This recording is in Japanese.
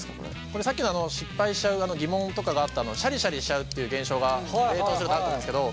これさっきの失敗しちゃう疑問とかがあったシャリシャリしちゃうっていう現象が冷凍するとあると思うんですけど